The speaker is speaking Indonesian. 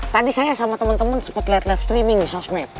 tadi saya sama temen temen sempet liat live streaming di sosmed